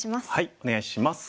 お願いします。